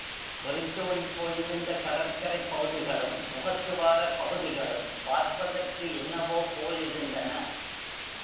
வெறிச்சோடிப் போயிருந்த கடற்கரைப் பகுதிகளும், முகத்துவாரப் பகுதிகளும் பார்ப்பதற்கு என்னவோ போலிருந்தன.